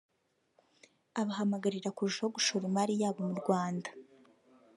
abahamagarira kurushaho gushora imari yabo mu Rwanda